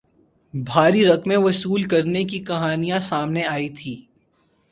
بھاری رقمیں وصول کرنے کی کہانیاں سامنے آئی تھیں